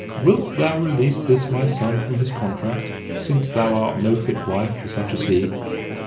Wilt thou release this my son from his contract, since thou art no fit wife for such as he?"